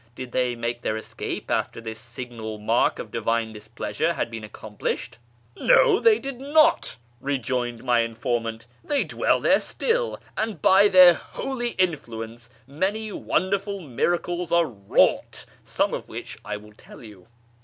Did they make their escape after this signal mark of Divine Displeasure had been accomplished ?"" No, they did not," rejoined my informant ;" they dwell there still, and by their holy influence many wonderful miracles are wrought, some of which I will tell you.